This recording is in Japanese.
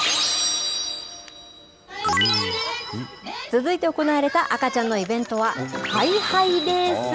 続いて行われた赤ちゃんのイベントは、ハイハイレース。